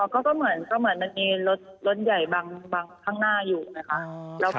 ก็ก็เหมือนก็เหมือนมันมีรถรถใหญ่บังบังข้างหน้าอยู่ไหมคะอ๋อค่ะ